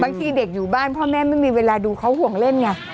ที่เด็กอยู่บ้านพ่อแม่ไม่มีเวลาดูเขาห่วงเล่นไง